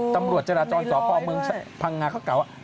ตำรวจจราจรสพเมืองพังงาเขากล่าวว่า